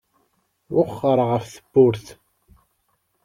Wexxer ɣef tewwurt.